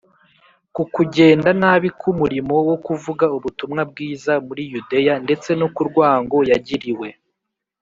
ku kugenda nabi k’umurimo wo kuvuga ubutumwa bwiza muri yudeya ndetse no ku rwango yagiriwe